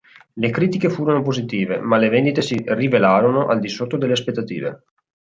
Le critiche furono positive, ma le vendite si rivelarono al di sotto delle aspettative.